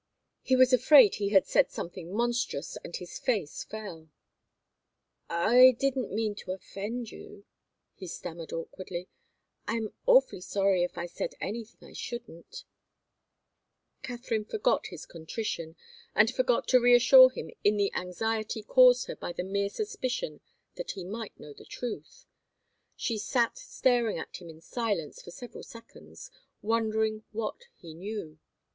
He was afraid he had said something monstrous, and his face fell. "I didn't mean to offend you," he stammered, awkwardly. "I'm awfully sorry if I said anything I shouldn't " Katharine forgot his contrition, and forgot to reassure him in the anxiety caused her by the mere suspicion that he might know the truth. She sat staring at him in silence for several seconds, wondering what he knew.